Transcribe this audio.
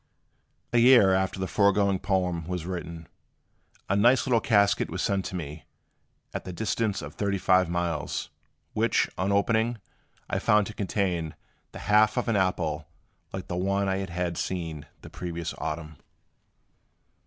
A year after the foregoing poem was written, a nice little casket was sent me, at the distance of thirty five miles, which, on opening, I found to contain the half of an apple like the one I had seen the previous autumn.